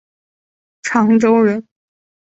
长洲人。